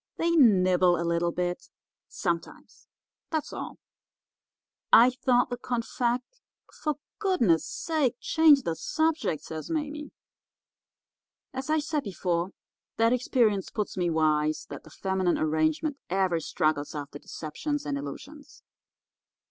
They nibble a little bit sometimes; that's all.' "'I thought the confect—' "'For goodness' sake, change the subject,' says Mame. "As I said before, that experience puts me wise that the feminine arrangement ever struggles after deceptions and illusions.